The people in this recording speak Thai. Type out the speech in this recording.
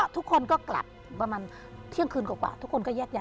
ทุกคนก็กลับประมาณเที่ยงคืนกว่าทุกคนก็แยกย้าย